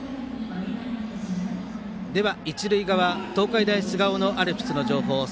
一塁側、東海大菅生のアルプスの情報です。